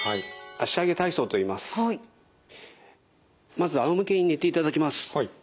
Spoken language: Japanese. まずあおむけに寝ていただきます。